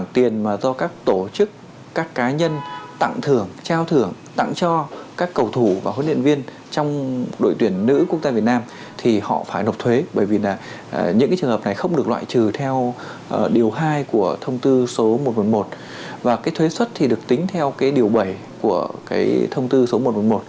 điều hai của thông tư số một trăm một mươi một và cái thuế xuất thì được tính theo cái điều bảy của cái thông tư số một trăm một mươi một